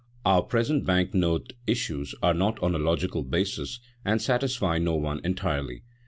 Our present bank note issues are not on a logical basis, and satisfy no one entirely.